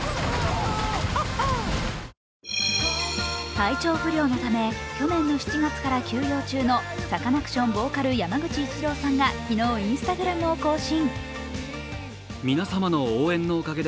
体調不良のため去年の７月から休養中のサカナクションボーカル、山口一郎さんが昨日Ｉｎｓｔａｇｒａｍを更新。